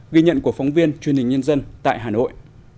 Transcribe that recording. ghi nhận của phóng viên truyền hình nhân dân tại hà nội